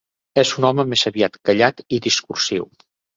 És un home més aviat callat i discursiu.